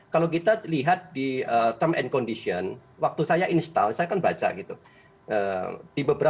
cnn indonesia newscast segera kembali